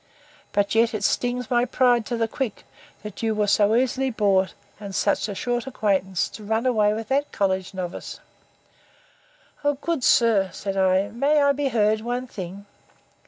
But yet it stings my pride to the quick, that you was so easily brought, and at such a short acquaintance, to run away with that college novice! O good sir, said I, may I be heard one thing?